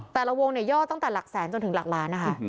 แต่ละวงเนี่ยย่อตั้งแต่หลักแสนจนถึงหลักล้านนะคะ